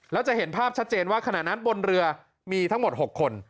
แล้วจะเห็นภาพชัดเจนว่าขณะนั้นบนเรือมีทั้งหมด๖คน